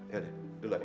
ya udah duluan ya